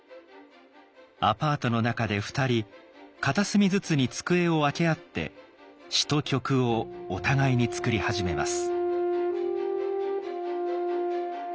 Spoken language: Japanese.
アパートの中で２人片隅ずつに机を分け合って詞と曲をお互いに作り始めます。